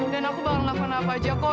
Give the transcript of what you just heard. dan aku bakal ngakon apa aja kok